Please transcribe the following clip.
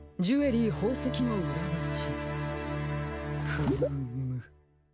フーム。